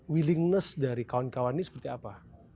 willingness dari kawan kawan ini seperti apa